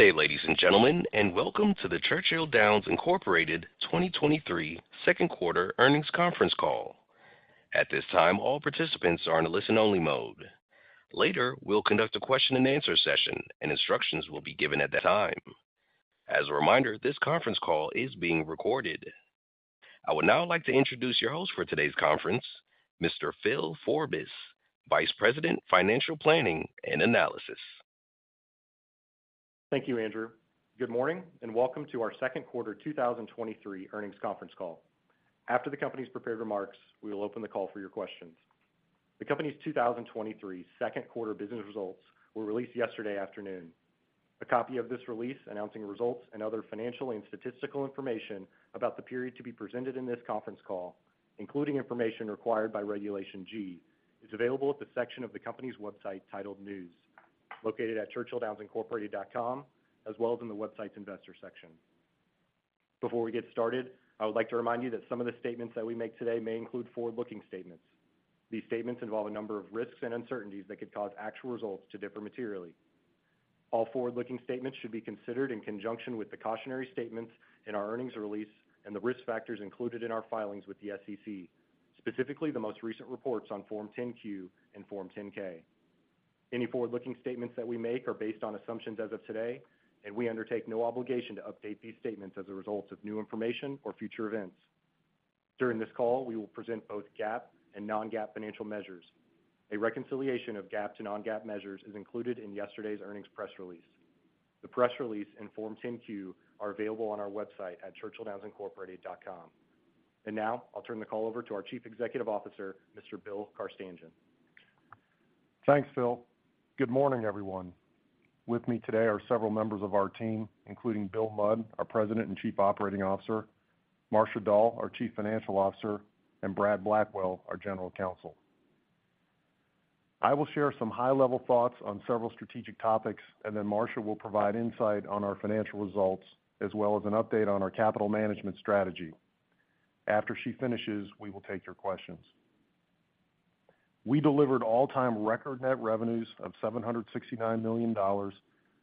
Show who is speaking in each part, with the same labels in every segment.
Speaker 1: Good day, ladies and gentlemen, and welcome to the Churchill Downs Incorporated 2023 second quarter earnings conference call. At this time, all participants are in a listen-only mode. Later, we'll conduct a question-and-answer session, and instructions will be given at that time. As a reminder, this conference call is being recorded. I would now like to introduce your host for today's conference, Mr. Phil Forbis, Vice President, Financial Planning and Analysis.
Speaker 2: Thank you, Andrew. Good morning, and welcome to our second quarter 2023 earnings conference call. After the company's prepared remarks, we will open the call for your questions. The company's 2023 second quarter business results were released yesterday afternoon. A copy of this release announcing results and other financial and statistical information about the period to be presented in this conference call, including information required by Regulation G, is available at the section of the company's website titled News, located at churchilldownsincorporated.com, as well as in the website's investor section. Before we get started, I would like to remind you that some of the statements that we make today may include forward-looking statements. These statements involve a number of risks and uncertainties that could cause actual results to differ materially. All forward-looking statements should be considered in conjunction with the cautionary statements in our earnings release and the risk factors included in our filings with the SEC, specifically the most recent reports on Form 10-Q and Form 10-K. Any forward-looking statements that we make are based on assumptions as of today, and we undertake no obligation to update these statements as a result of new information or future events. During this call, we will present both GAAP and non-GAAP financial measures. A reconciliation of GAAP to non-GAAP measures is included in yesterday's earnings press release. The press release and Form 10-Q are available on our website at churchilldownsincorporated.com. Now, I'll turn the call over to our Chief Executive Officer, Mr. Bill Carstanjen.
Speaker 3: Thanks, Phil. Good morning, everyone. With me today are several members of our team, including Bill Mudd, our President and Chief Operating Officer, Marcia Dall, our Chief Financial Officer, and Brad Blackwell, our General Counsel. I will share some high-level thoughts on several strategic topics, and then Marcia Dall will provide insight on our financial results, as well as an update on our capital management strategy. After she finishes, we will take your questions. We delivered all-time record net revenues of $769 million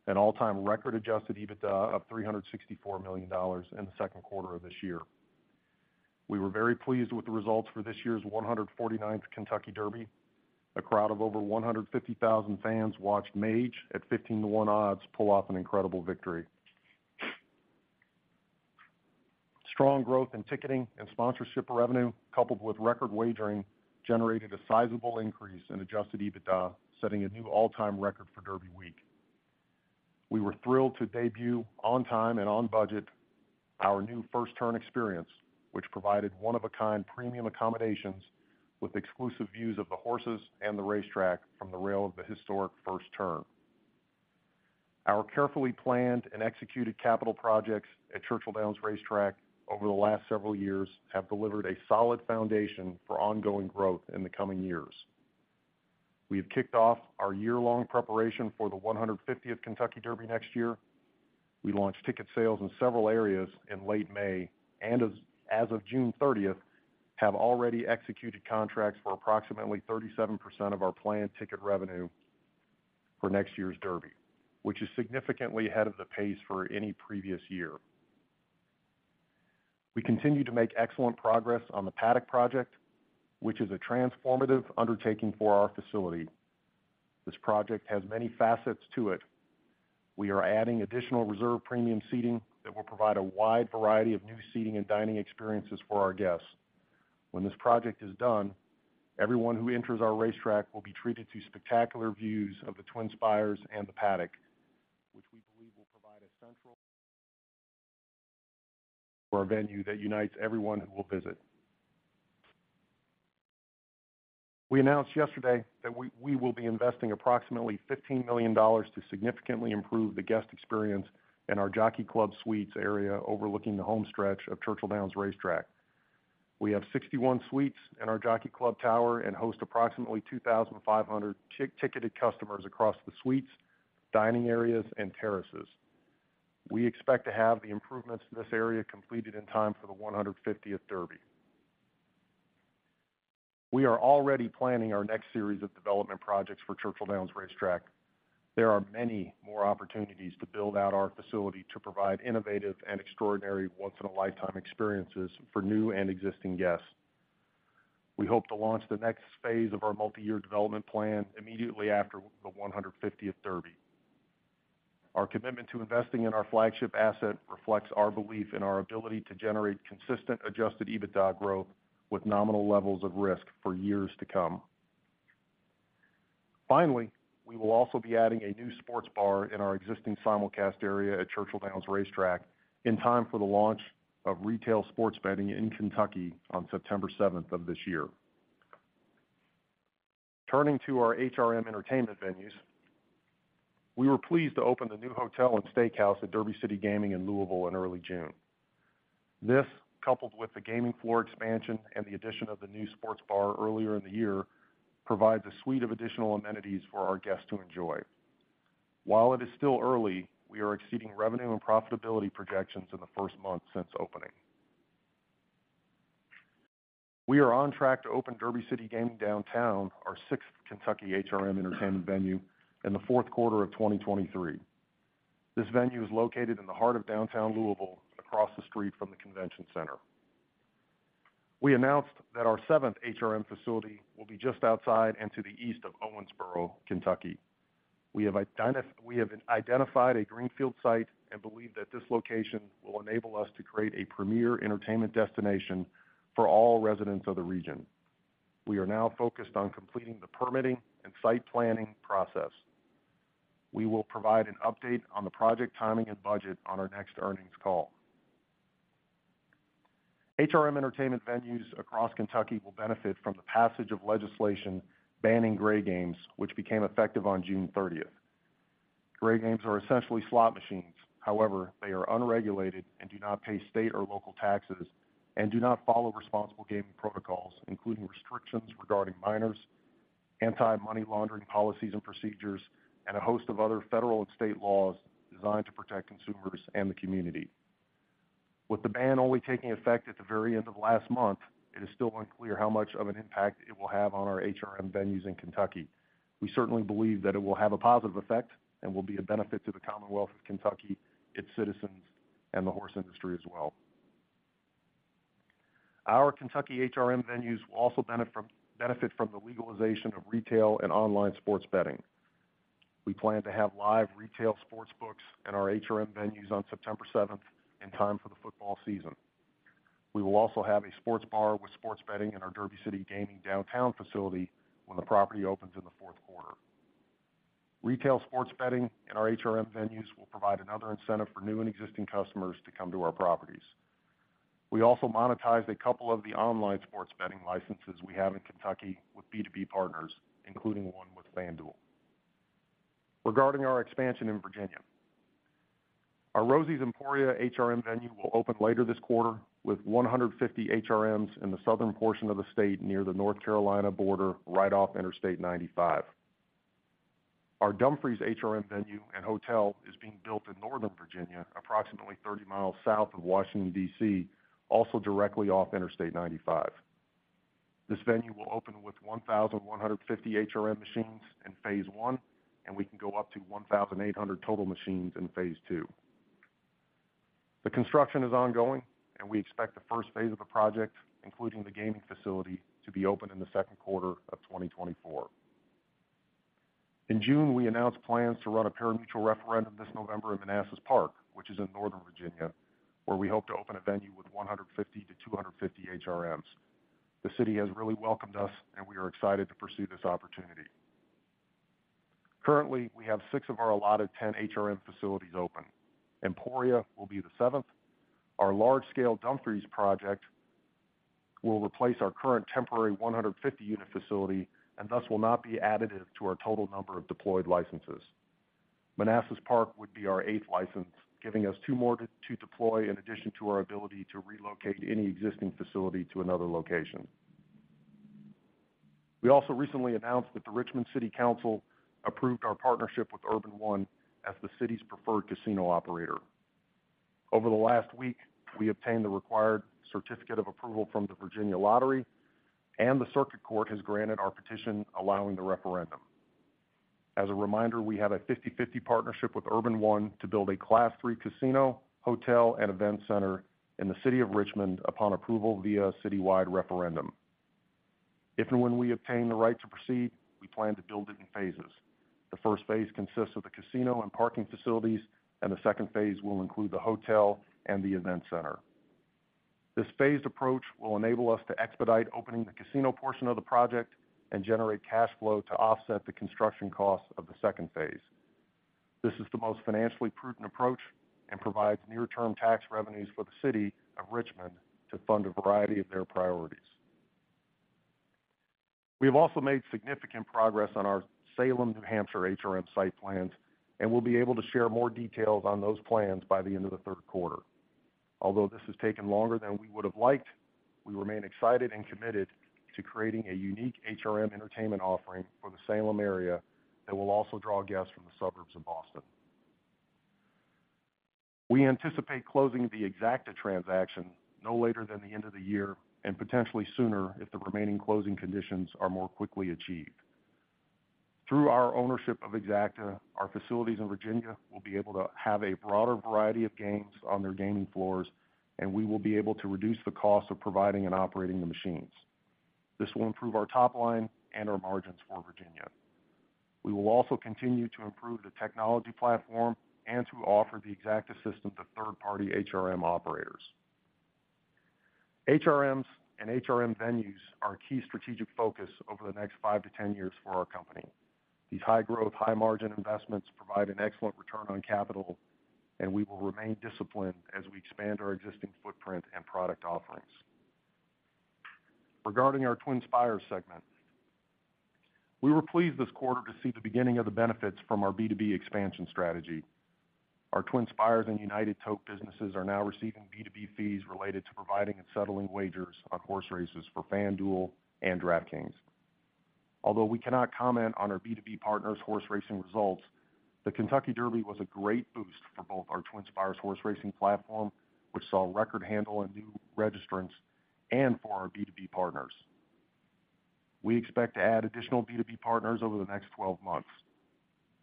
Speaker 3: and all-time record adjusted EBITDA of $364 million in the second quarter of this year. We were very pleased with the results for this year's 149th Kentucky Derby. A crowd of over 150,000 fans watched Mage, at 15 to 1 odds, pull off an incredible victory. Strong growth in ticketing and sponsorship revenue, coupled with record wagering, generated a sizable increase in adjusted EBITDA, setting a new all-time record for Derby week. We were thrilled to debut on time and on budget, our new First Turn Experience, which provided one-of-a-kind premium accommodations with exclusive views of the horses and the racetrack from the rail of the historic first turn. Our carefully planned and executed capital projects at Churchill Downs Racetrack over the last several years have delivered a solid foundation for ongoing growth in the coming years. We have kicked off our year-long preparation for the 150th Kentucky Derby next year. We launched ticket sales in several areas in late May, and as of June 30th, have already executed contracts for approximately 37% of our planned ticket revenue for next year's Derby, which is significantly ahead of the pace for any previous year. We continue to make excellent progress on the Paddock project, which is a transformative undertaking for our facility. This project has many facets to it. We are adding additional reserve premium seating that will provide a wide variety of new seating and dining experiences for our guests. When this project is done, everyone who enters our racetrack will be treated to spectacular views of the Twin Spires and the Paddock, which we believe will provide a central for a venue that unites everyone who will visit. We announced yesterday that we will be investing approximately $15 million to significantly improve the guest experience in our Jockey Club Suites area, overlooking the home stretch of Churchill Downs Racetrack. We have 61 suites in our Jockey Club Tower and host approximately 2,500 ticketed customers across the suites, dining areas, and terraces. We expect to have the improvements to this area completed in time for the 150th Derby. We are already planning our next series of development projects for Churchill Downs Racetrack. There are many more opportunities to build out our facility to provide innovative and extraordinary once-in-a-lifetime experiences for new and existing guests. We hope to launch the next phase of our multi-year development plan immediately after the 150th Derby. Our commitment to investing in our flagship asset reflects our belief in our ability to generate consistent adjusted EBITDA growth with nominal levels of risk for years to come. Finally, we will also be adding a new sports bar in our existing simulcast area at Churchill Downs Racetrack in time for the launch of retail sports betting in Kentucky on September 7th of this year. Turning to our HRM entertainment venues, we were pleased to open the new hotel and steakhouse at Derby City Gaming in Louisville in early June. This, coupled with the gaming floor expansion and the addition of the new sports bar earlier in the year, provides a suite of additional amenities for our guests to enjoy. While it is still early, we are exceeding revenue and profitability projections in the first month since opening. We are on track to open Derby City Gaming Downtown, our sixth Kentucky HRM entertainment venue, in the fourth quarter of 2023. This venue is located in the heart of downtown Louisville, across the street from the convention center. We announced that our seventh HRM facility will be just outside and to the east of Owensboro, Kentucky. We have identified a greenfield site and believe that this location will enable us to create a premier entertainment destination for all residents of the region. We are now focused on completing the permitting and site planning process. We will provide an update on the project timing and budget on our next earnings call. HRM entertainment venues across Kentucky will benefit from the passage of legislation banning gray games, which became effective on June 30th. Gray games are essentially slot machines; however, they are unregulated and do not pay state or local taxes and do not follow responsible gaming protocols, including restrictions regarding minors, anti-money laundering policies and procedures, and a host of other federal and state laws designed to protect consumers and the community. With the ban only taking effect at the very end of last month, it is still unclear how much of an impact it will have on our HRM venues in Kentucky. We certainly believe that it will have a positive effect and will be a benefit to the Commonwealth of Kentucky, its citizens, and the horse industry as well. Our Kentucky HRM venues will also benefit from the legalization of retail and online sports betting. We plan to have live retail sports books in our HRM venues on September 7th, in time for the football season. We will also have a sports bar with sports betting in our Derby City Gaming Downtown facility when the property opens in the fourth quarter. Retail sports betting in our HRM venues will provide another incentive for new and existing customers to come to our properties. We also monetized a couple of the online sports betting licenses we have in Kentucky with B2B partners, including one with FanDuel. Regarding our expansion in Virginia, our Rosie's Emporia HRM venue will open later this quarter with 150 HRMs in the southern portion of the state, near the North Carolina border, right off Interstate 95. Our Dumfries HRM venue and hotel is being built in northern Virginia, approximately 30 miles south of Washington, D.C., also directly off Interstate 95. This venue will open with 1,150 HRM machines in Phase I, and we can go up to 1,800 total machines in Phase II. The construction is ongoing, and we expect the first phase of the project, including the gaming facility, to be open in the 2Q 2024. In June, we announced plans to run a parimutuel referendum this November in Manassas Park, which is in northern Virginia, where we hope to open a venue with 150-250 HRMs. The city has really welcomed us, and we are excited to pursue this opportunity. Currently, we have 6 of our allotted 10 HRM facilities open. Emporia will be the seventh. Our large-scale Dumfries project will replace our current temporary 150-unit facility and thus will not be additive to our total number of deployed licenses. Manassas Park would be our eighth license, giving us two more to deploy in addition to our ability to relocate any existing facility to another location. We also recently announced that the Richmond City Council approved our partnership with Urban One as the city's preferred casino operator. Over the last week, we obtained the required certificate of approval from the Virginia Lottery, and the Circuit Court has granted our petition, allowing the referendum. As a reminder, we have a 50/50 partnership with Urban One to build a Class III casino, hotel, and event center in the city of Richmond upon approval via a citywide referendum. If and when we obtain the right to proceed, we plan to build it in phases. The first phase consists of the casino and parking facilities, and the second phase will include the hotel and the event center. This phased approach will enable us to expedite opening the casino portion of the project and generate cash flow to offset the construction costs of the second phase. This is the most financially prudent approach and provides near-term tax revenues for the city of Richmond to fund a variety of their priorities. We have also made significant progress on our Salem, New Hampshire, HRM site plans, and we'll be able to share more details on those plans by the end of the third quarter. Although this has taken longer than we would have liked, we remain excited and committed to creating a unique HRM entertainment offering for the Salem area that will also draw guests from the suburbs of Boston. We anticipate closing the Exacta transaction no later than the end of the year, and potentially sooner, if the remaining closing conditions are more quickly achieved. Through our ownership of Exacta, our facilities in Virginia will be able to have a broader variety of games on their gaming floors, and we will be able to reduce the cost of providing and operating the machines. This will improve our top line and our margins for Virginia. We will also continue to improve the technology platform and to offer the Exacta system to third-party HRM operators. HRMs and HRM venues are a key strategic focus over the next 5 to 10 years for our company. These high-growth, high-margin investments provide an excellent return on capital, and we will remain disciplined as we expand our existing footprint and product offerings. Regarding our TwinSpires segment, we were pleased this quarter to see the beginning of the benefits from our B2B expansion strategy. Our TwinSpires and United Tote businesses are now receiving B2B fees related to providing and settling wagers on horse races for FanDuel and DraftKings. Although we cannot comment on our B2B partners' horse racing results, the Kentucky Derby was a great boost for both our TwinSpires horse racing platform, which saw record handle and new registrants, and for our B2B partners. We expect to add additional B2B partners over the next 12 months.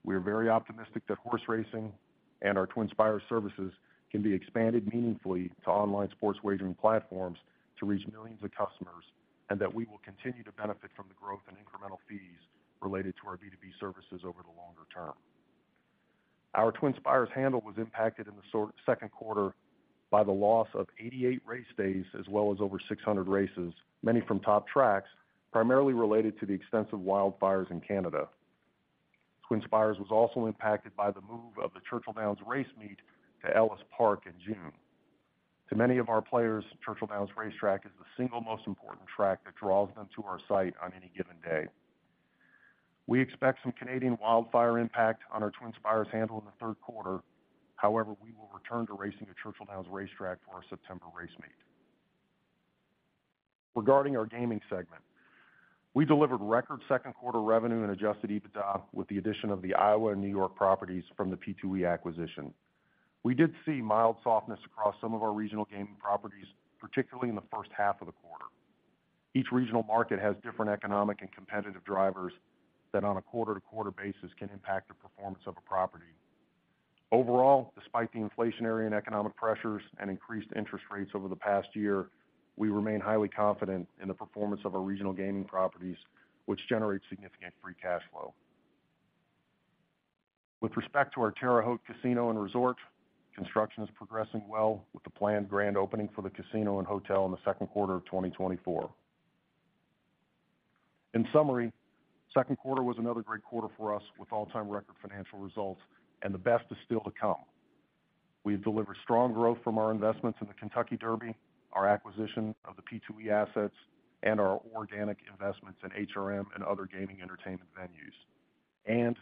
Speaker 3: We are very optimistic that horse racing and our TwinSpires services can be expanded meaningfully to online sports wagering platforms to reach millions of customers, and that we will continue to benefit from the growth in incremental fees related to our B2B services over the longer term. Our TwinSpires handle was impacted in the second quarter by the loss of 88 race days, as well as over 600 races, many from top tracks, primarily related to the extensive wildfires in Canada. TwinSpires was also impacted by the move of the Churchill Downs race meet to Ellis Park in June. To many of our players, Churchill Downs Racetrack is the single most important track that draws them to our site on any given day. We expect some Canadian wildfire impact on our TwinSpires handle in the third quarter. However, we will return to racing at Churchill Downs Racetrack for our September race meet. Regarding our gaming segment, we delivered record second quarter revenue and adjusted EBITDA with the addition of the Iowa and New York properties from the P2E acquisition. We did see mild softness across some of our regional gaming properties, particularly in the first half of the quarter. Each regional market has different economic and competitive drivers that, on a quarter-to-quarter basis, can impact the performance of a property. Overall, despite the inflationary and economic pressures and increased interest rates over the past year, we remain highly confident in the performance of our regional gaming properties, which generate significant free cash flow. With respect to our Terre Haute Casino & Resort, construction is progressing well with the planned grand opening for the casino and hotel in the second quarter of 2024. In summary, second quarter was another great quarter for us, with all-time record financial results, and the best is still to come. We've delivered strong growth from our investments in the Kentucky Derby, our acquisition of the P2E assets, and our organic investments in HRM and other gaming entertainment venues.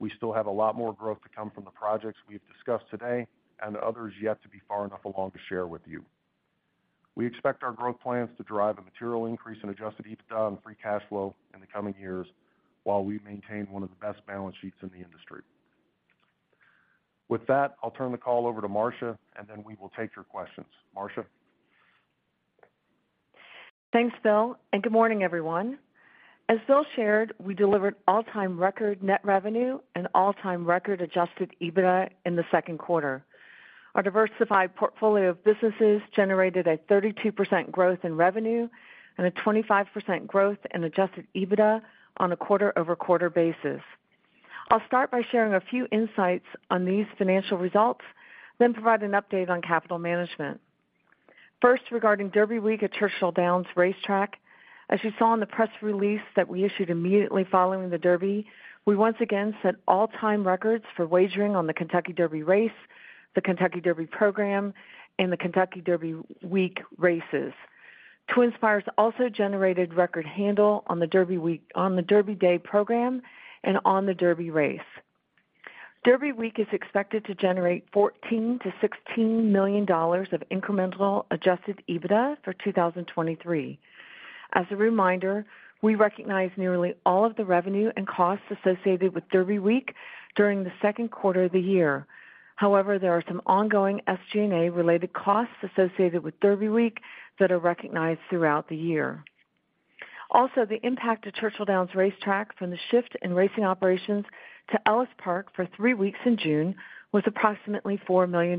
Speaker 3: We still have a lot more growth to come from the projects we've discussed today and others yet to be far enough along to share with you. We expect our growth plans to drive a material increase in adjusted EBITDA and free cash flow in the coming years, while we maintain one of the best balance sheets in the industry. With that, I'll turn the call over to Marcia, and then we will take your questions. Marcia?
Speaker 4: Thanks, Bill, good morning, everyone. As Bill shared, we delivered all-time record net revenue and all-time record adjusted EBITDA in the second quarter. Our diversified portfolio of businesses generated a 32% growth in revenue and a 25% growth in adjusted EBITDA on a quarter-over-quarter basis. I'll start by sharing a few insights on these financial results, then provide an update on capital management. First, regarding Derby week at Churchill Downs Racetrack, as you saw in the press release that we issued immediately following the Derby, we once again set all-time records for wagering on the Kentucky Derby race, the Kentucky Derby program, and the Kentucky Derby week races. TwinSpires also generated record handle on the Derby day program and on the Derby race. Derby week is expected to generate $14 million-$16 million of incremental adjusted EBITDA for 2023. As a reminder, we recognize nearly all of the revenue and costs associated with Derby week during the second quarter of the year. There are some ongoing SG&A-related costs associated with Derby week that are recognized throughout the year. The impact to Churchill Downs Racetrack from the shift in racing operations to Ellis Park for three weeks in June was approximately $4 million.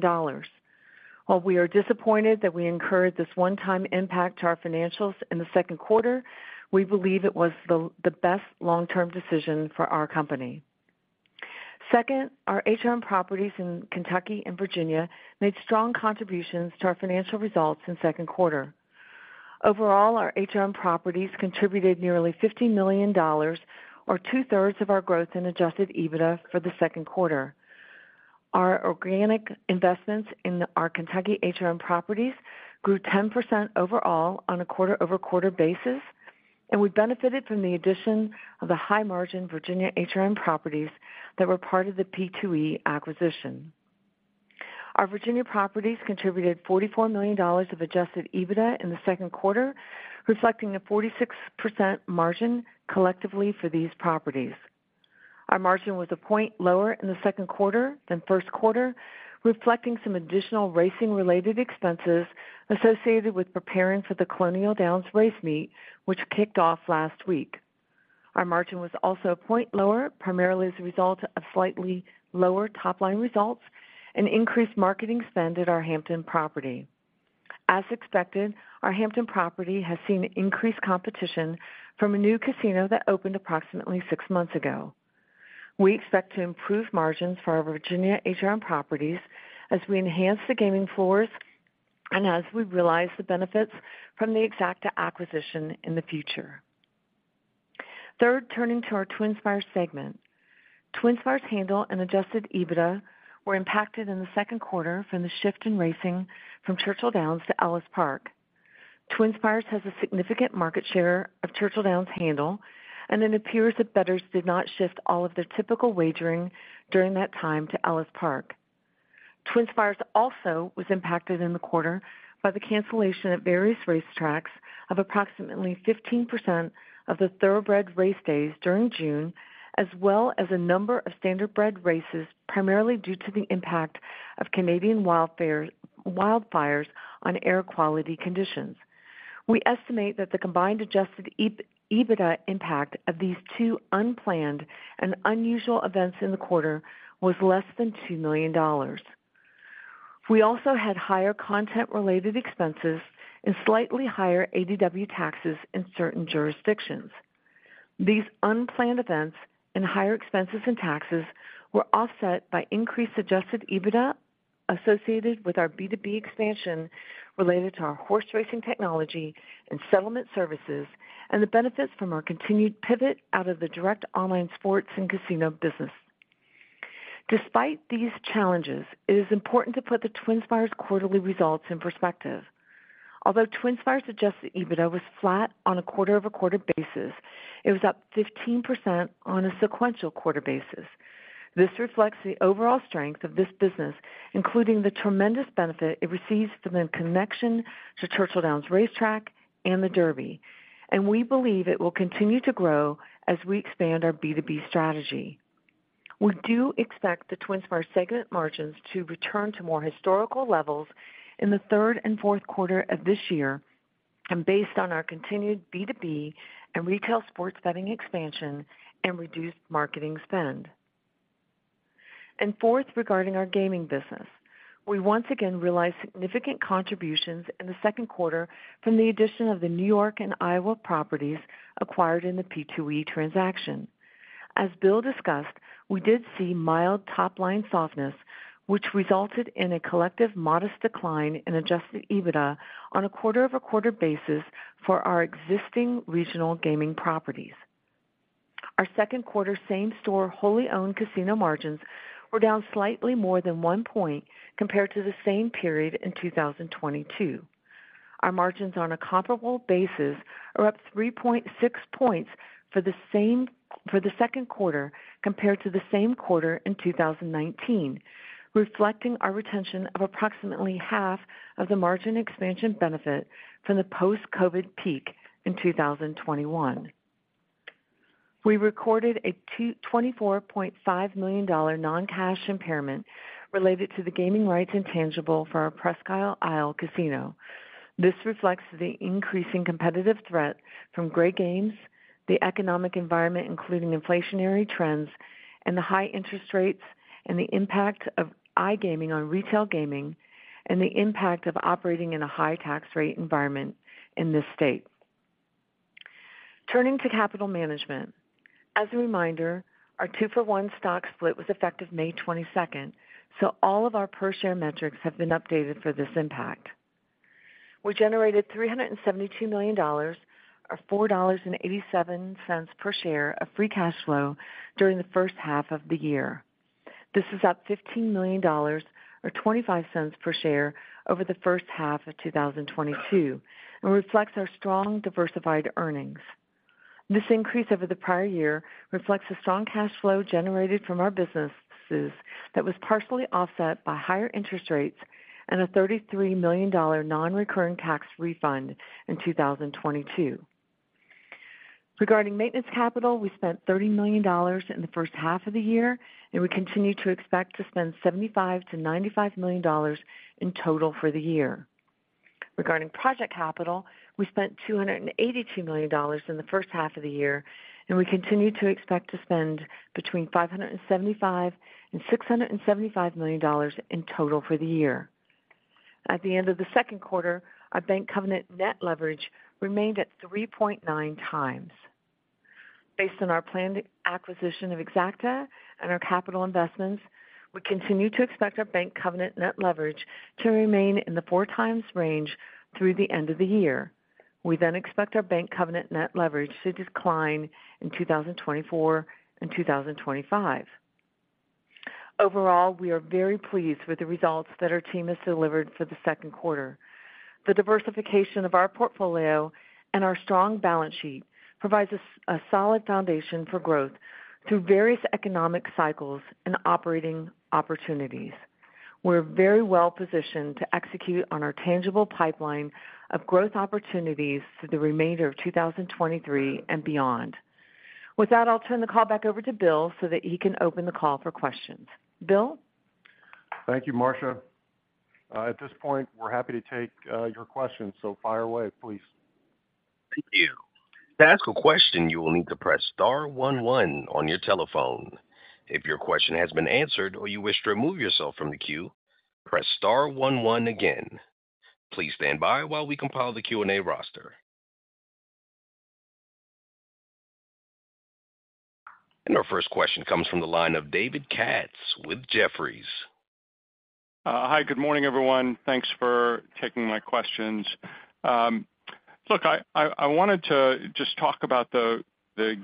Speaker 4: We are disappointed that we incurred this one-time impact to our financials in the second quarter, we believe it was the best long-term decision for our company. Our HRM properties in Kentucky and Virginia made strong contributions to our financial results in second quarter. Our HRM properties contributed nearly $50 million, or 2/3 of our growth in adjusted EBITDA for the second quarter. Our organic investments in our Kentucky HRM properties grew 10% overall on a quarter-over-quarter basis, and we benefited from the addition of the high-margin Virginia HRM properties that were part of the P2E acquisition. Our Virginia properties contributed $44 million of adjusted EBITDA in the second quarter, reflecting a 46% margin collectively for these properties. Our margin was a point lower in the second quarter than first quarter, reflecting some additional racing-related expenses associated with preparing for the Colonial Downs race meet, which kicked off last week. Our margin was also a point lower, primarily as a result of slightly lower top-line results and increased marketing spend at our Hampton property. As expected, our Hampton property has seen increased competition from a new casino that opened approximately six months ago. We expect to improve margins for our Virginia HRM properties as we enhance the gaming floors and as we realize the benefits from the Exacta acquisition in the future. Third, turning to our TwinSpires segment. TwinSpires handle and adjusted EBITDA were impacted in the second quarter from the shift in racing from Churchill Downs to Ellis Park. TwinSpires has a significant market share of Churchill Downs handle. It appears that bettors did not shift all of their typical wagering during that time to Ellis Park. TwinSpires also was impacted in the quarter by the cancellation at various racetracks of approximately 15% of the Thoroughbred race days during June, as well as a number of Standardbred races, primarily due to the impact of Canadian wildfires on air quality conditions. We estimate that the combined adjusted EBITDA impact of these two unplanned and unusual events in the quarter was less than $2 million. We also had higher content-related expenses and slightly higher ADW taxes in certain jurisdictions. These unplanned events and higher expenses and taxes were offset by increased adjusted EBITDA associated with our B2B expansion related to our horse racing technology and settlement services, and the benefits from our continued pivot out of the direct online sports and casino business. Despite these challenges, it is important to put the TwinSpires quarterly results in perspective. Although TwinSpires adjusted EBITDA was flat on a quarter-over-quarter basis, it was up 15% on a sequential quarter basis. This reflects the overall strength of this business, including the tremendous benefit it receives from the connection to Churchill Downs Racetrack and the Derby, and we believe it will continue to grow as we expand our B2B strategy. We do expect the TwinSpires segment margins to return to more historical levels in the third and fourth quarter of this year, and based on our continued B2B and retail sports betting expansion and reduced marketing spend. Fourth, regarding our gaming business, we once again realized significant contributions in the second quarter from the addition of the New York and Iowa properties acquired in the P2E transaction. As Bill discussed, we did see mild top-line softness, which resulted in a collective modest decline in adjusted EBITDA on a quarter-over-quarter basis for our existing regional gaming properties. Our second quarter same-store, wholly owned casino margins were down slightly more than 1 point compared to the same period in 2022. Our margins on a comparable basis are up 3.6 points for the second quarter compared to the same quarter in 2019, reflecting our retention of approximately half of the margin expansion benefit from the post-COVID peak in 2021. We recorded a $224.5 million non-cash impairment related to the gaming rights intangible for our Presque Isle Casino. This reflects the increasing competitive threat from gray games, the economic environment, including inflationary trends and the high interest rates, and the impact of iGaming on retail gaming, and the impact of operating in a high tax rate environment in this state. Turning to capital management. A reminder, our 2-for-1 stock split was effective May 22nd. All of our per share metrics have been updated for this impact. We generated $372 million, or $4.87 per share of free cash flow during the first half of the year. This is up $15 million, or $0.25 per share, over the first half of 2022. This reflects our strong diversified earnings. This increase over the prior year reflects the strong cash flow generated from our businesses that was partially offset by higher interest rates and a $33 million nonrecurring tax refund in 2022. Regarding maintenance capital, we spent $30 million in the first half of the year. We continue to expect to spend $75 million-$95 million in total for the year. Regarding project capital, we spent $282 million in the first half of the year. We continue to expect to spend between $575 million and $675 million in total for the year. At the end of the second quarter, our bank covenant net leverage remained at 3.9 times. Based on our planned acquisition of Exacta and our capital investments, we continue to expect our bank covenant net leverage to remain in the 4 times range through the end of the year. We expect our bank covenant net leverage to decline in 2024 and 2025. Overall, we are very pleased with the results that our team has delivered for the second quarter. The diversification of our portfolio and our strong balance sheet provides us a solid foundation for growth through various economic cycles and operating opportunities. We're very well positioned to execute on our tangible pipeline of growth opportunities through the remainder of 2023 and beyond. With that, I'll turn the call back over to Bill so that he can open the call for questions. Bill?
Speaker 3: Thank you, Marcia. At this point, we're happy to take your questions. Fire away, please.
Speaker 1: Thank you. To ask a question, you will need to press star one one on your telephone. If your question has been answered or you wish to remove yourself from the queue, press star one one again. Please stand by while we compile the Q&A roster. Our first question comes from the line of David Katz with Jefferies.
Speaker 5: Hi, good morning, everyone. Thanks for taking my questions. Look, I wanted to just talk about the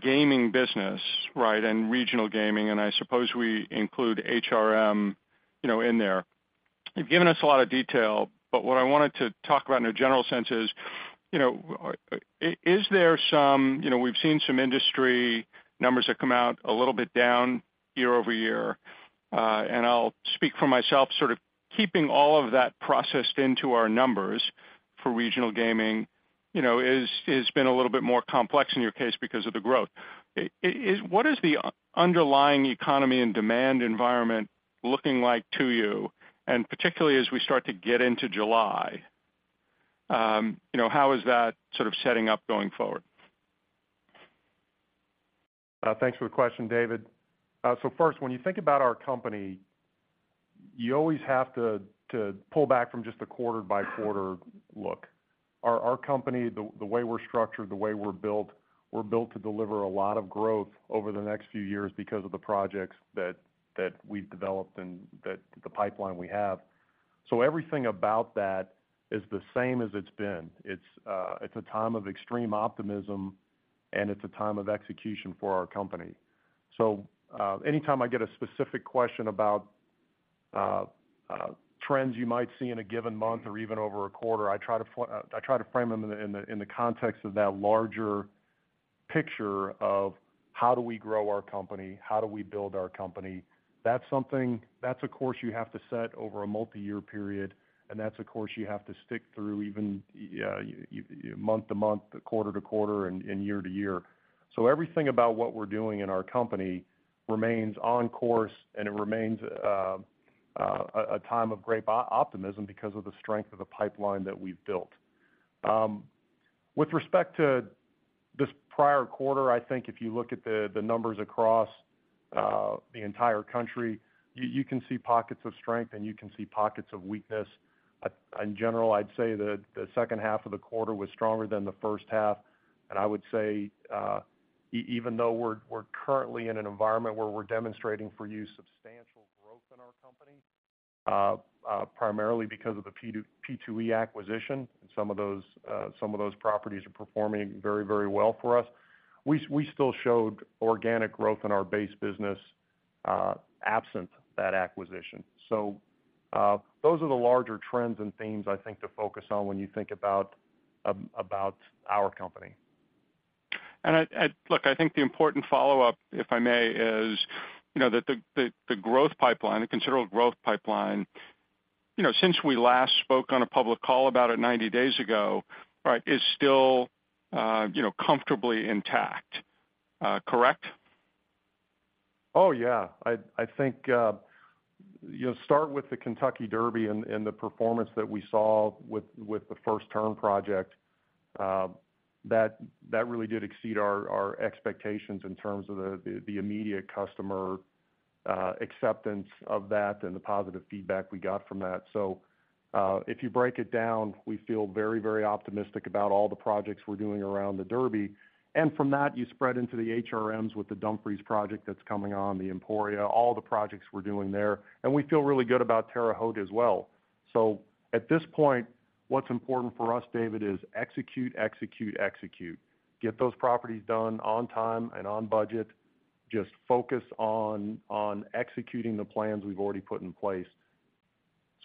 Speaker 5: gaming business, right? And regional gaming, and I suppose we include HRM, you know, in there. You've given us a lot of detail, but what I wanted to talk about in a general sense is. You know, is there some, you know, we've seen some industry numbers that come out a little bit down year-over-year. I'll speak for myself, sort of keeping all of that processed into our numbers for regional gaming, you know, is been a little bit more complex in your case because of the growth. What is the underlying economy and demand environment looking like to you? Particularly as we start to get into July, you know, how is that sort of setting up going forward?
Speaker 3: Thanks for the question, David. First, when you think about our company, you always have to pull back from just a quarter-by-quarter look. Our company, the way we're structured, the way we're built, we're built to deliver a lot of growth over the next few years because of the projects that we've developed and that the pipeline we have. Everything about that is the same as it's been. It's a time of extreme optimism, and it's a time of execution for our company. Anytime I get a specific question about trends you might see in a given month or even over a quarter, I try to frame them in the context of that larger picture of: how do we grow our company? How do we build our company? That's a course you have to set over a multiyear period, and that's a course you have to stick through even month to month, quarter to quarter, and year to year. Everything about what we're doing in our company remains on course, and it remains a time of great optimism because of the strength of the pipeline that we've built. With respect to this prior quarter, I think if you look at the numbers across the entire country, you can see pockets of strength, and you can see pockets of weakness. In general, I'd say that the second half of the quarter was stronger than the first half. I would say, even though we're currently in an environment where we're demonstrating for you substantial growth in our company, primarily because of the P2E acquisition, and some of those properties are performing very, very well for us. We still showed organic growth in our base business, absent that acquisition. Those are the larger trends and themes, I think, to focus on when you think about our company.
Speaker 5: I look, I think the important follow-up, if I may, is, you know, that the growth pipeline, the considerable growth pipeline, you know, since we last spoke on a public call about it 90 days ago, right, is still, you know, comfortably intact, correct?
Speaker 3: Oh, yeah. I think, you know, start with the Kentucky Derby and the performance that we saw with the First Turn project, that really did exceed our expectations in terms of the immediate customer acceptance of that and the positive feedback we got from that. If you break it down, we feel very optimistic about all the projects we're doing around the Derby. From that, you spread into the HRMs with the Dumfries project that's coming on, the Emporia, all the projects we're doing there. We feel really good about Terre Haute as well. At this point, what's important for us, David, is execute, execute, execute. Get those properties done on time and on budget. Just focus on executing the plans we've already put in place.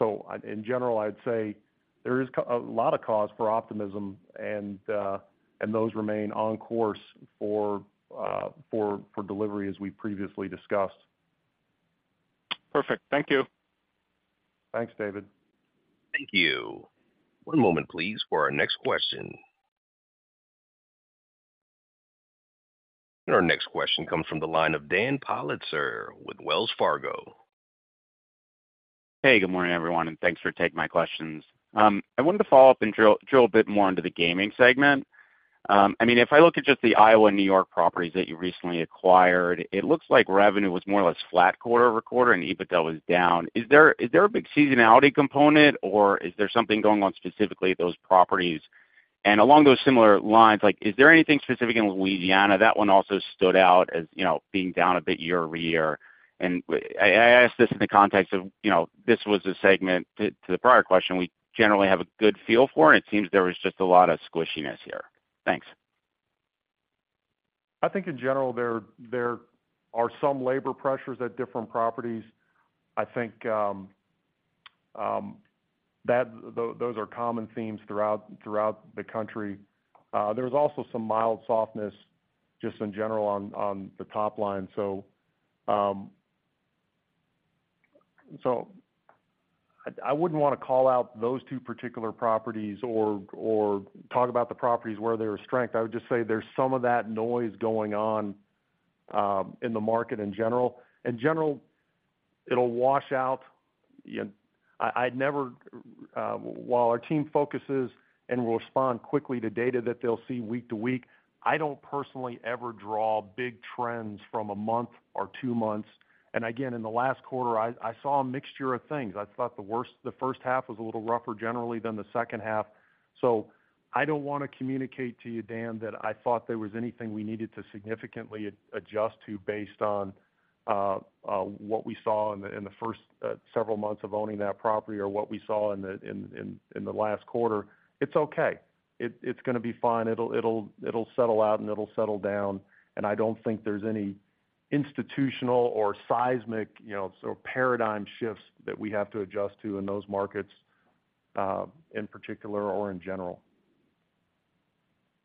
Speaker 3: In general, I'd say there is a lot of cause for optimism, and those remain on course for delivery, as we previously discussed.
Speaker 5: Perfect. Thank you.
Speaker 3: Thanks, David.
Speaker 1: Thank you. One moment, please, for our next question. Our next question comes from the line of Daniel Politzer with Wells Fargo.
Speaker 6: Good morning, everyone, and thanks for taking my questions. I wanted to follow up and drill a bit more into the gaming segment. I mean, if I look at just the Iowa and New York properties that you recently acquired, it looks like revenue was more or less flat quarter-over-quarter, and EBITDA was down. Is there a big seasonality component, or is there something going on specifically at those properties? Along those similar lines, like, is there anything specific in Louisiana? That one also stood out as, you know, being down a bit year-over-year. I, I ask this in the context of, you know, this was a segment to the prior question we generally have a good feel for, and it seems there was just a lot of squishiness here. Thanks.
Speaker 3: I think in general, there are some labor pressures at different properties. I think those are common themes throughout the country. There's also some mild softness just in general on the top line. I wouldn't want to call out those 2 particular properties or talk about the properties where there are strength. I would just say there's some of that noise going on in the market in general. In general, it'll wash out. I'd never, while our team focuses and will respond quickly to data that they'll see week to week, I don't personally ever draw big trends from a month or 2 months. Again, in the last quarter, I saw a mixture of things. I thought the first half was a little rougher generally than the second half. I don't want to communicate to you, Dan, that I thought there was anything we needed to significantly adjust to based on what we saw in the first several months of owning that property or what we saw in the last quarter. It's okay. It's gonna be fine. It'll settle out, and it'll settle down, and I don't think there's any. Institutional or seismic, you know, sort of paradigm shifts that we have to adjust to in those markets in particular or in general.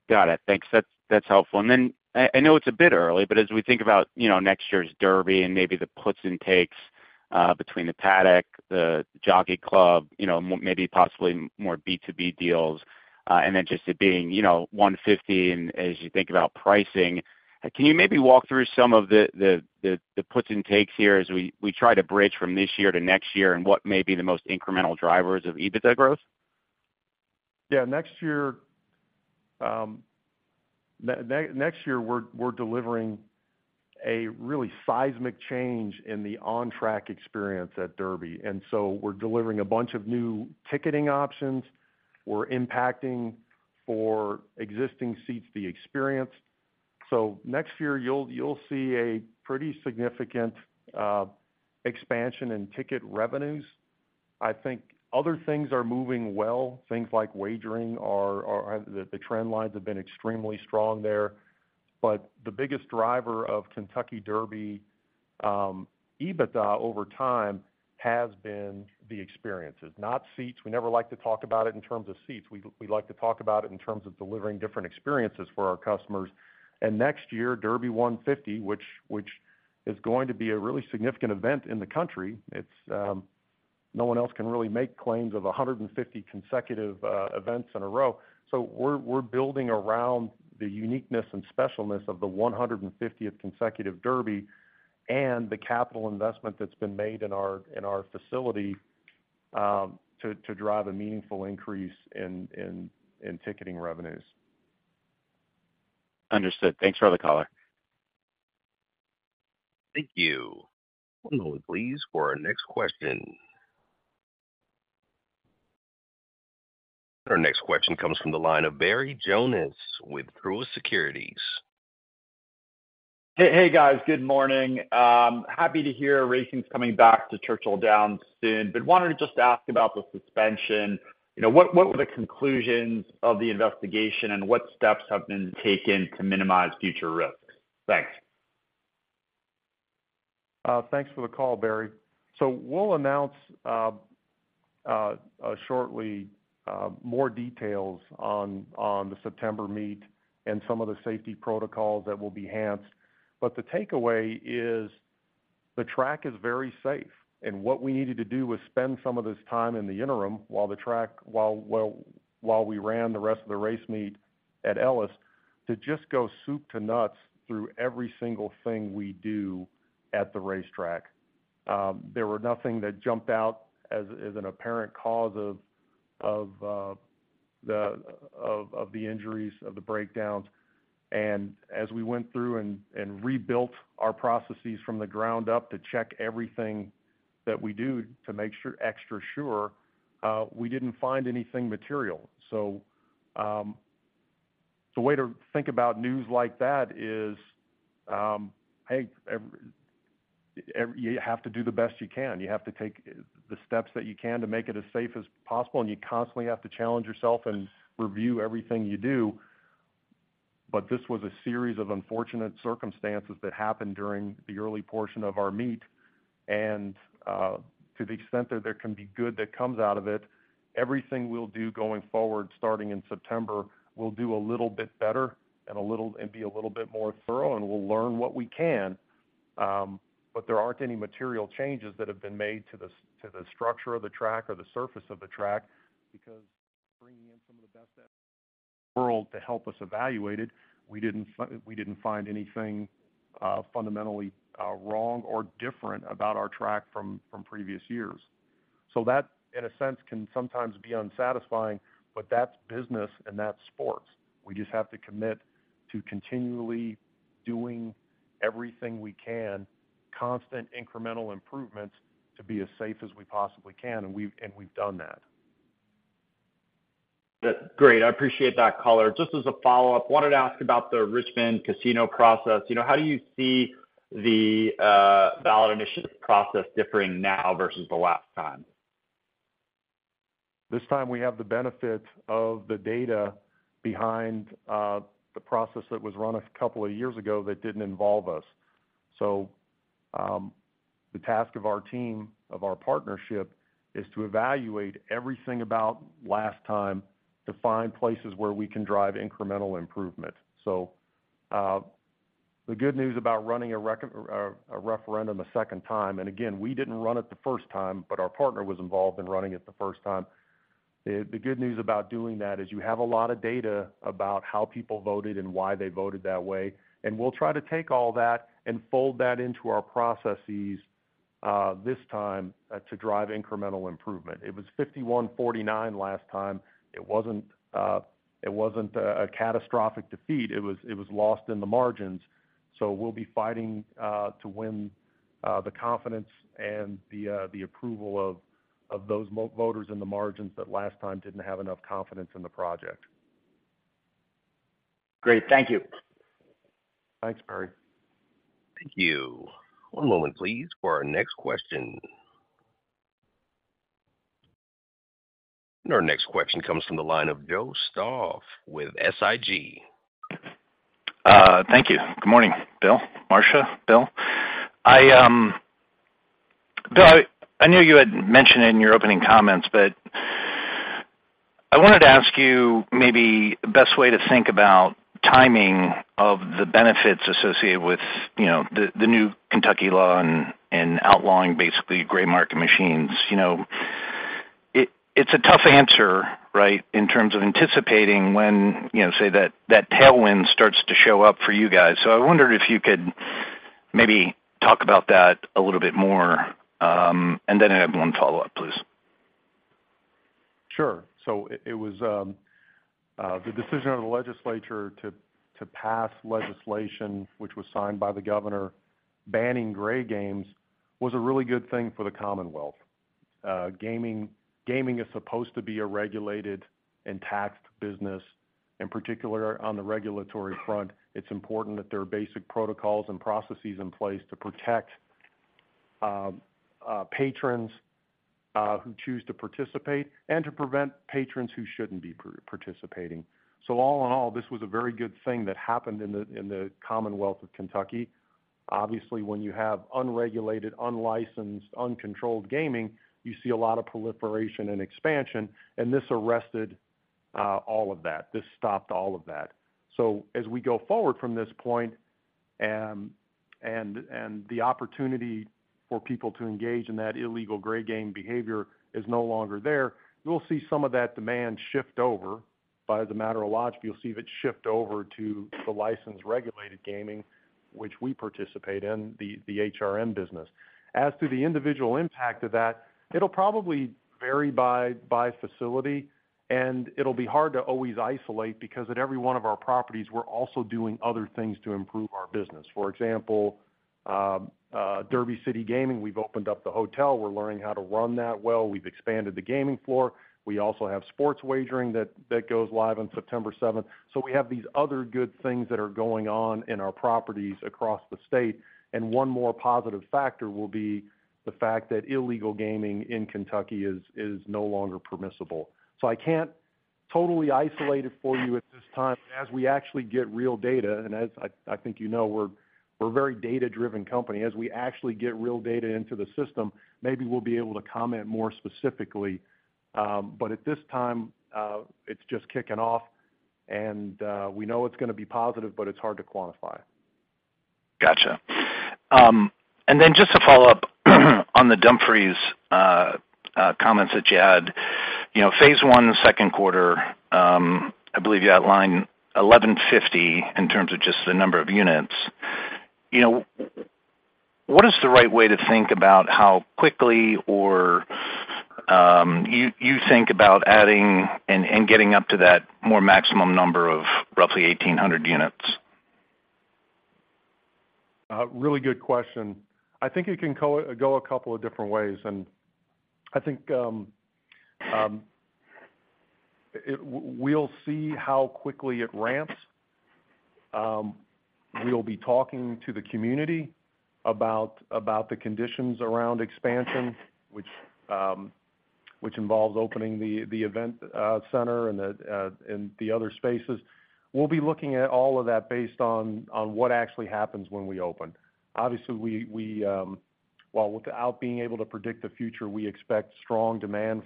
Speaker 6: Got it. Thanks. That's helpful. I know it's a bit early, as we think about, you know, next year's Derby and maybe the puts and takes, between the Paddock, the Jockey Club, you know, maybe possibly more B2B deals, and then just it being, you know, 150 and as you think about pricing. Can you maybe walk through some of the puts and takes here as we try to bridge from this year to next year and what may be the most incremental drivers of EBITDA growth?
Speaker 3: Yeah, next year, we're delivering a really seismic change in the on-track experience at Derby. We're delivering a bunch of new ticketing options. We're impacting for existing seats, the experience. Next year, you'll see a pretty significant expansion in ticket revenues. I think other things are moving well. Things like wagering are the trend lines have been extremely strong there. But the biggest driver of Kentucky Derby EBITDA over time has been the experiences, not seats. We never like to talk about it in terms of seats. We like to talk about it in terms of delivering different experiences for our customers. Next year, Derby 150, which is going to be a really significant event in the country. It's, no one else can really make claims of 150 consecutive events in a row. We're building around the uniqueness and specialness of the 150th consecutive Derby and the capital investment that's been made in our facility to drive a meaningful increase in ticketing revenues.
Speaker 6: Understood. Thanks for the call.
Speaker 1: Thank you. One moment please, for our next question. Our next question comes from the line of Barry Jonas with Truist Securities.
Speaker 7: Hey, hey, guys, good morning. Happy to hear racing's coming back to Churchill Downs soon. Wanted to just ask about the suspension. You know, what were the conclusions of the investigation? What steps have been taken to minimize future risks? Thanks.
Speaker 3: Thanks for the call, Barry. We'll announce shortly more details on the September meet and some of the safety protocols that will be enhanced. The takeaway is the track is very safe, and what we needed to do was spend some of this time in the interim, while we ran the rest of the race meet at Ellis, to just go soup to nuts through every single thing we do at the racetrack. There were nothing that jumped out as an apparent cause of the injuries, of the breakdowns. As we went through and rebuilt our processes from the ground up to check everything that we do to make sure, extra sure, we didn't find anything material. The way to think about news like that is, you have to do the best you can. You have to take the steps that you can to make it as safe as possible, and you constantly have to challenge yourself and review everything you do. This was a series of unfortunate circumstances that happened during the early portion of our meet. To the extent that there can be good that comes out of it, everything we'll do going forward, starting in September, we'll do a little bit better and be a little bit more thorough, and we'll learn what we can. There aren't any material changes that have been made to the structure of the track or the surface of the track, because bringing in some of the best in the world to help us evaluate it, we didn't find anything fundamentally wrong or different about our track from previous years. That, in a sense, can sometimes be unsatisfying, but that's business and that's sports. We just have to commit to continually doing everything we can, constant incremental improvements to be as safe as we possibly can, and we've done that.
Speaker 7: Great. I appreciate that, caller. Just as a follow-up, wanted to ask about the Richmond casino process. You know, how do you see the ballot initiative process differing now versus the last time?
Speaker 3: This time we have the benefit of the data behind the process that was run 2 years ago that didn't involve us. The task of our team, of our partnership, is to evaluate everything about last time to find places where we can drive incremental improvement. The good news about running a referendum a second time, and again, we didn't run it the first time, but our partner was involved in running it the first time. The good news about doing that is you have a lot of data about how people voted and why they voted that way, and we'll try to take all that and fold that into our processes this time to drive incremental improvement. It was 51-49 last time. It wasn't a catastrophic defeat. It was lost in the margins, so we'll be fighting to win the confidence and the approval of those voters in the margins that last time didn't have enough confidence in the project.
Speaker 7: Great. Thank you.
Speaker 3: Thanks, Barry.
Speaker 1: Thank you. One moment, please, for our next question. Our next question comes from the line of Joe Stauff with SIG.
Speaker 8: Thank you. Good morning, Bill, Marcia, Bill. I, Bill, I know you had mentioned in your opening comments, but I wanted to ask you maybe the best way to think about timing of the benefits associated with, you know, the new Kentucky law and outlawing, basically, gray market machines. You know, it's a tough answer, right, in terms of anticipating when, you know, say, that tailwind starts to show up for you guys. I wondered if you could maybe talk about that a little bit more, and then I have one follow-up, please.
Speaker 3: Sure. It was the decision of the legislature to pass legislation, which was signed by the governor, banning gray games, was a really good thing for the Commonwealth. Gaming is supposed to be a regulated and taxed business. In particular, on the regulatory front, it's important that there are basic protocols and processes in place to protect patrons who choose to participate and to prevent patrons who shouldn't be participating. All in all, this was a very good thing that happened in the Commonwealth of Kentucky. Obviously, when you have unregulated, unlicensed, uncontrolled gaming, you see a lot of proliferation and expansion, this arrested all of that. This stopped all of that. As we go forward from this point, and the opportunity for people to engage in that illegal gray game behavior is no longer there, we'll see some of that demand shift over. By the matter of logic, you'll see it shift over to the licensed, regulated gaming, which we participate in, the HRM business. As to the individual impact of that, it'll probably vary by facility, and it'll be hard to always isolate, because at every one of our properties, we're also doing other things to improve our business. For example, Derby City Gaming, we've opened up the hotel. We're learning how to run that well. We've expanded the gaming floor. We also have sports wagering that goes live on September seventh. We have these other good things that are going on in our properties across the state, and one more positive factor will be the fact that illegal gaming in Kentucky is no longer permissible. I can't totally isolate it for you at this time. As we actually get real data, and as I think you know, we're a very data-driven company. As we actually get real data into the system, maybe we'll be able to comment more specifically. At this time, it's just kicking off, and we know it's going to be positive, but it's hard to quantify.
Speaker 8: Gotcha. Then just to follow up on the Dumfries comments that you had. You know, Phase I, the second quarter, I believe you outlined 1,150 in terms of just the number of units. You know, what is the right way to think about how quickly or you, you think about adding and, and getting up to that more maximum number of roughly 1,800 units?
Speaker 3: Really good question. I think it can go a couple of different ways, and I think we'll see how quickly it ramps. We'll be talking to the community about the conditions around expansion, which involves opening the event center and the other spaces. We'll be looking at all of that based on what actually happens when we open. Obviously, we, while without being able to predict the future, we expect strong demand,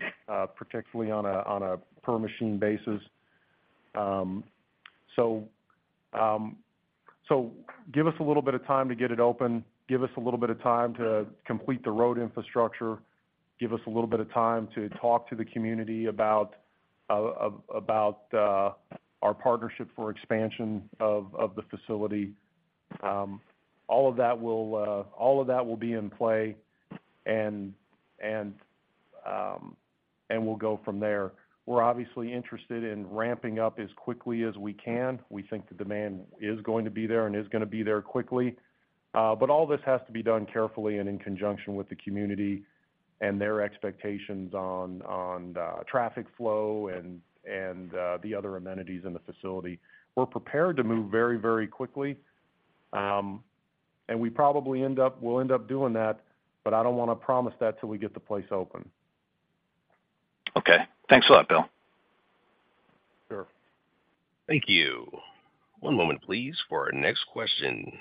Speaker 3: particularly on a per-machine basis. Give us a little bit of time to get it open. Give us a little bit of time to complete the road infrastructure. Give us a little bit of time to talk to the community about our partnership for expansion of the facility. All of that will be in play, and we'll go from there. We're obviously interested in ramping up as quickly as we can. We think the demand is going to be there and is going to be there quickly. All this has to be done carefully and in conjunction with the community and their expectations on traffic flow and the other amenities in the facility. We're prepared to move very quickly, and we'll end up doing that, but I don't want to promise that till we get the place open.
Speaker 8: Okay. Thanks a lot, Bill.
Speaker 3: Sure.
Speaker 1: Thank you. One moment, please, for our next question.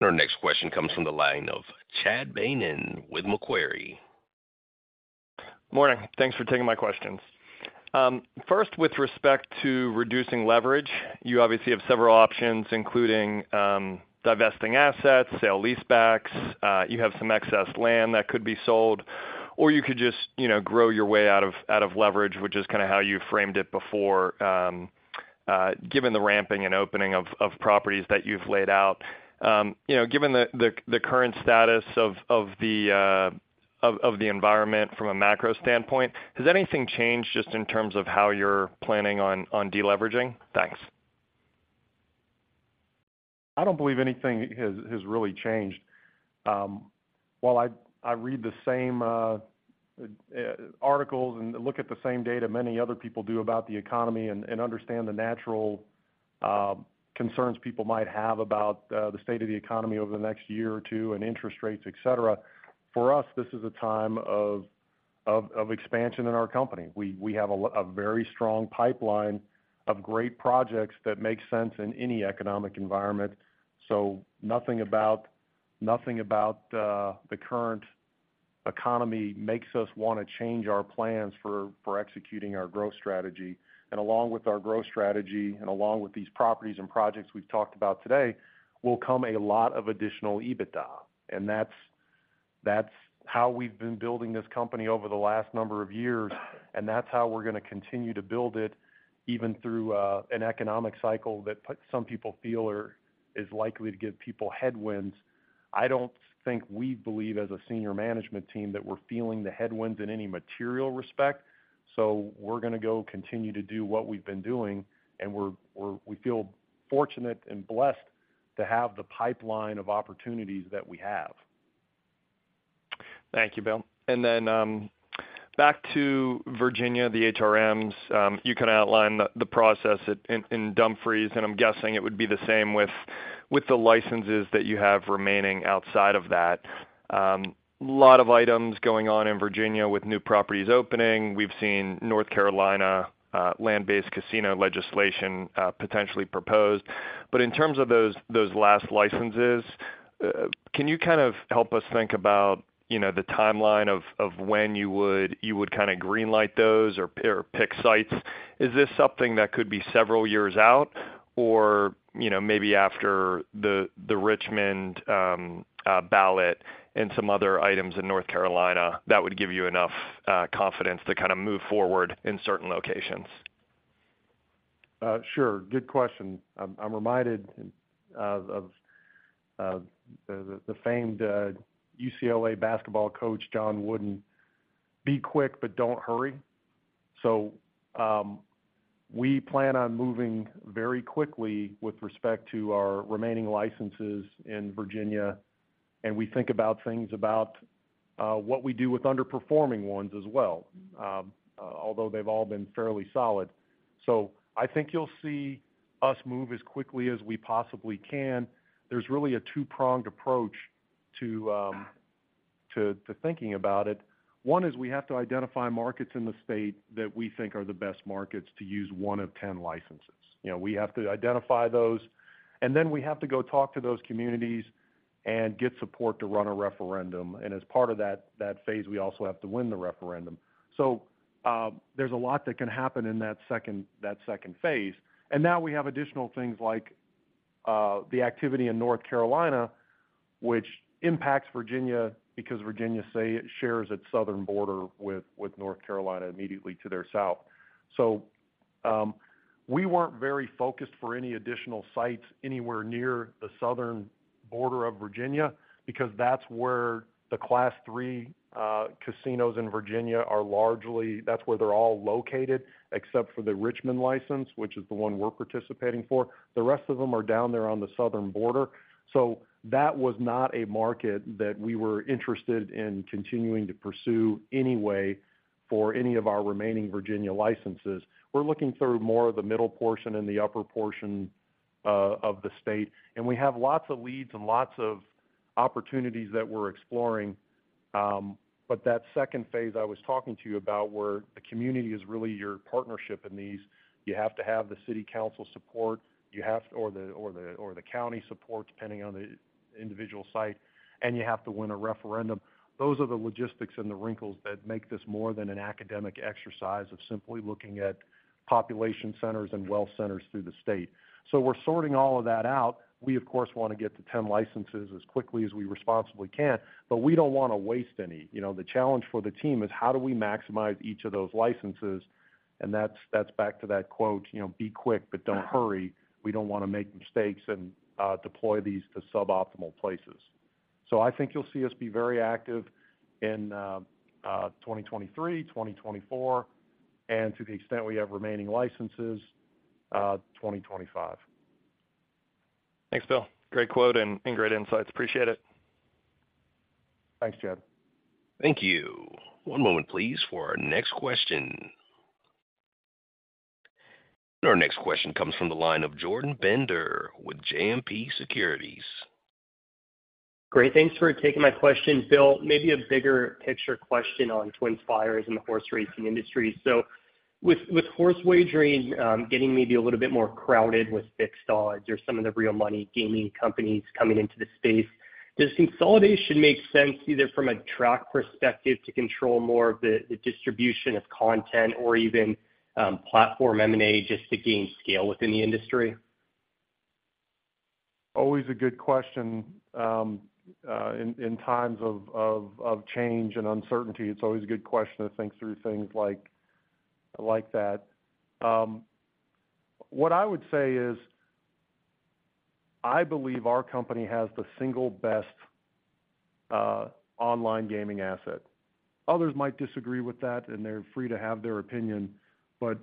Speaker 1: Our next question comes from the line of Chad Beynon with Macquarie.
Speaker 9: Morning. Thanks for taking my questions. First, with respect to reducing leverage, you obviously have several options, including divesting assets, sale-leasebacks, you have some excess land that could be sold, or you could just, you know, grow your way out of leverage, which is kind of how you framed it before, given the ramping and opening of properties that you've laid out. You know, given the current status of the environment from a macro standpoint, has anything changed just in terms of how you're planning on deleveraging? Thanks.
Speaker 3: I don't believe anything has really changed. While I read the same articles and look at the same data many other people do about the economy and understand the natural concerns people might have about the state of the economy over the next year or two, and interest rates, et cetera. For us, this is a time of expansion in our company. We have a very strong pipeline of great projects that make sense in any economic environment. Nothing about the current economy makes us want to change our plans for executing our growth strategy. Along with our growth strategy, and along with these properties and projects we've talked about today, will come a lot of additional EBITDA. That's how we've been building this company over the last number of years, and that's how we're going to continue to build it, even through an economic cycle that some people feel or is likely to give people headwinds. I don't think we believe, as a senior management team, that we're feeling the headwinds in any material respect. We're going to go continue to do what we've been doing, and we feel fortunate and blessed to have the pipeline of opportunities that we have.
Speaker 9: Thank you, Bill. Back to Virginia, the HRMs. You kind of outlined the process in Dumfries, and I'm guessing it would be the same with the licenses that you have remaining outside of that. A lot of items going on in Virginia with new properties opening. We've seen North Carolina land-based casino legislation potentially proposed. In terms of those, those last licenses, can you kind of help us think about, you know, the timeline of when you would green light those or pick sites? Is this something that could be several years out, or, you know, maybe after the Richmond ballot and some other items in North Carolina that would give you enough confidence to kind of move forward in certain locations?
Speaker 3: Sure. Good question. I'm reminded of the famed UCLA basketball coach, John Wooden, "Be quick, but don't hurry." We plan on moving very quickly with respect to our remaining licenses in Virginia, and we think about things about what we do with underperforming ones as well, although they've all been fairly solid. I think you'll see us move as quickly as we possibly can. There's really a two-pronged approach to thinking about it. One is we have to identify markets in the state that we think are the best markets to use one of 10 licenses. You know, we have to identify those, and then we have to go talk to those communities and get support to run a referendum. As part of that phase, we also have to win the referendum. There's a lot that can happen in that second phase. Now we have additional things like the activity in North Carolina, which impacts Virginia because Virginia say, shares its southern border with North Carolina immediately to their south. We weren't very focused for any additional sites anywhere near the southern border of Virginia, because that's where the Class III casinos in Virginia are largely. That's where they're all located, except for the Richmond license, which is the one we're participating for. The rest of them are down there on the southern border. That was not a market that we were interested in continuing to pursue anyway, for any of our remaining Virginia licenses. We're looking through more of the middle portion and the upper portion of the state. We have lots of leads and lots of opportunities that we're exploring. That second phase I was talking to you about, where the community is really your partnership in these, you have to have the city council support, or the county support, depending on the individual site. You have to win a referendum. Those are the logistics and the wrinkles that make this more than an academic exercise of simply looking at population centers and wealth centers through the st. We're sorting all of that out. We, of course, want to get to 10 licenses as quickly as we responsibly can. We don't want to waste any. You know, the challenge for the team is: How do we maximize each of those licenses? That's back to that quote, you know, "Be quick, but don't hurry." We don't want to make mistakes and deploy these to suboptimal places. I think you'll see us be very active in 2023, 2024, and to the extent we have remaining licenses, 2025.
Speaker 9: Thanks, Bill. Great quote and great insights. Appreciate it.
Speaker 3: Thanks, Chad.
Speaker 1: Thank you. One moment, please, for our next question. Our next question comes from the line of Jordan Bender with JMP Securities.
Speaker 10: Great. Thanks for taking my question, Bill. Maybe a bigger picture question on TwinSpires and the horse racing industry. With horse wagering getting maybe a little bit more crowded with fixed odds or some of the real money gaming companies coming into the space, does consolidation make sense, either from a track perspective to control more of the distribution of content or even platform M&A just to gain scale within the industry?
Speaker 3: Always a good question. In times of change and uncertainty, it's always a good question to think through things like that. What I would say is, I believe our company has the single best online gaming asset. Others might disagree with that, and they're free to have their opinion, but.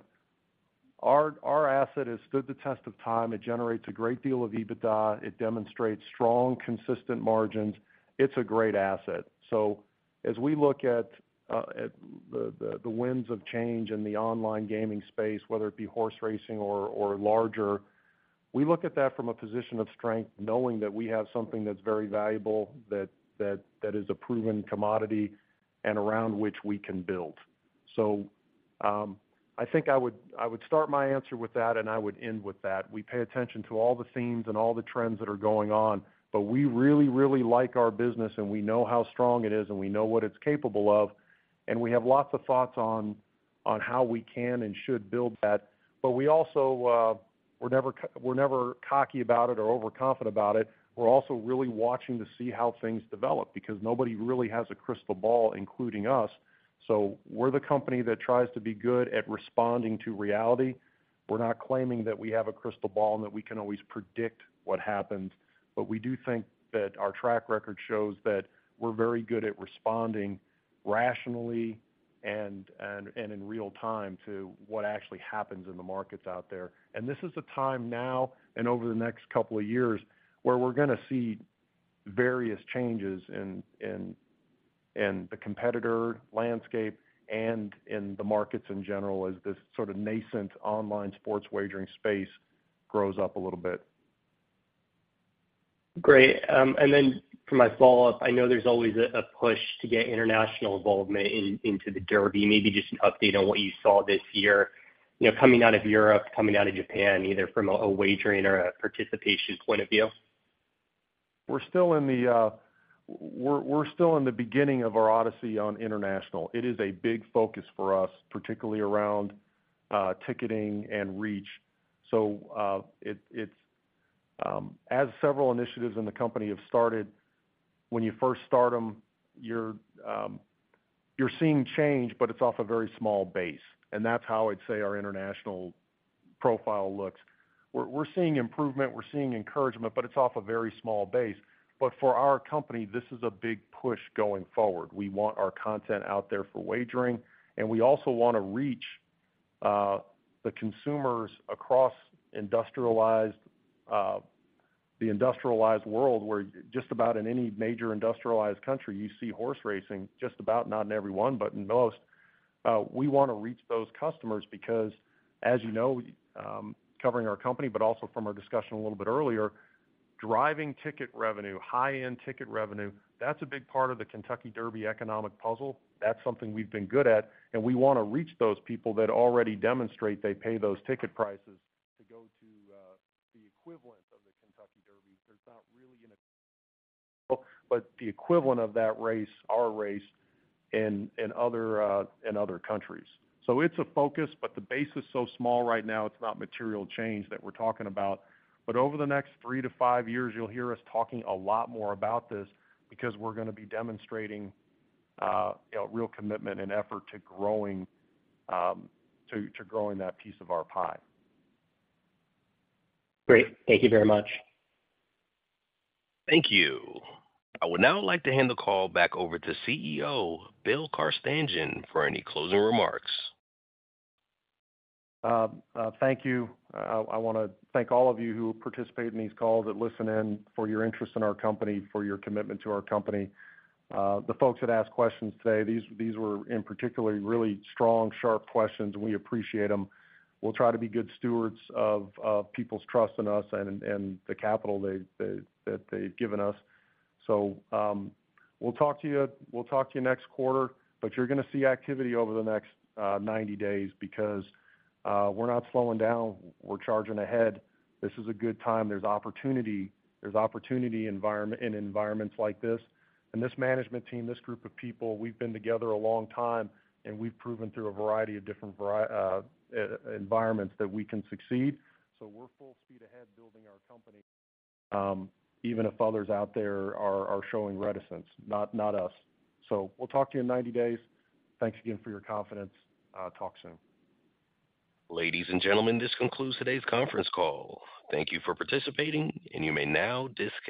Speaker 3: Our asset has stood the test of time. It generates a great deal of EBITDA. It demonstrates strong, consistent margins. It's a great asset. As we look at the winds of change in the online gaming space, whether it be horse racing or larger, we look at that from a position of strength, knowing that we have something that's very valuable, that is a proven commodity and around which we can build. I think I would start my answer with that, and I would end with that. We pay attention to all the themes and all the trends that are going on, but we really like our business, and we know how strong it is, and we know what it's capable of, and we have lots of thoughts on how we can and should build that. We also, we're never cocky about it or overconfident about it. We're also really watching to see how things develop, because nobody really has a crystal ball, including us. We're the company that tries to be good at responding to reality. We're not claiming that we have a crystal ball and that we can always predict what happens, but we do think that our track record shows that we're very good at responding rationally and in real time to what actually happens in the markets out there. This is a time now and over the next couple of years, where we're going to see various changes in the competitor landscape and in the markets in general, as this sort of nascent online sports wagering space grows up a little bit.
Speaker 10: Great. And then for my follow-up, I know there's always a, a push to get international involvement into the Derby. Maybe just an update on what you saw this year, you know, coming out of Europe, coming out of Japan, either from a, a wagering or a participation point of view.
Speaker 3: We're still in the beginning of our odyssey on international. It is a big focus for us, particularly around ticketing and reach. It's as several initiatives in the company have started, when you first start them, you're seeing change, but it's off a very small base, and that's how I'd say our international profile looks. We're seeing improvement, we're seeing encouragement, but it's off a very small base. For our company, this is a big push going forward. We want our content out there for wagering, and we also want to reach the consumers across industrialized the industrialized world, where just about in any major industrialized country, you see horse racing, just about, not in every one, but in most. We want to reach those customers because, as you know, covering our company, but also from our discussion a little bit earlier, driving ticket revenue, high-end ticket revenue, that's a big part of the Kentucky Derby economic puzzle. That's something we've been good at, and we want to reach those people that already demonstrate they pay those ticket prices to go to the equivalent of the Kentucky Derby. There's not really an, but the equivalent of that race, our race, in other, in other countries. It's a focus, but the base is so small right now, it's not material change that we're talking about. Over the next three to five years, you'll hear us talking a lot more about this because we're gonna be demonstrating a real commitment and effort to growing, to growing that piece of our pie.
Speaker 10: Great. Thank you very much.
Speaker 1: Thank you. I would now like to hand the call back over to CEO, Bill Carstanjen, for any closing remarks.
Speaker 3: Thank you. I want to thank all of you who participate in these calls and listen in, for your interest in our company, for your commitment to our company. The folks that asked questions today, these were in particularly really strong, sharp questions. We appreciate them. We'll try to be good stewards of people's trust in us and the capital they've given us. We'll talk to you next quarter, but you're gonna see activity over the next 90 days because we're not slowing down. We're charging ahead. This is a good time. There's opportunity, there's opportunity in environments like this. This management team, this group of people, we've been together a long time, and we've proven through a variety of different environments that we can succeed. We're full speed ahead building our company, even if others out there are showing reticence, not us. We'll talk to you in 90 days. Thanks again for your confidence. Talk soon.
Speaker 1: Ladies and gentlemen, this concludes today's conference call. Thank you for participating, and you may now disconnect.